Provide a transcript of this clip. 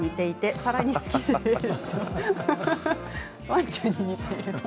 ワンちゃんに似ていると。